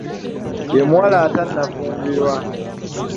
Ye muwala atannafumbirwa.